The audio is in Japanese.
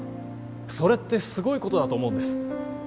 それってすごいことだと思うんです